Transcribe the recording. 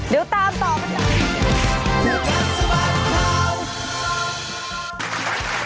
เดี๋ยวตามต่อไป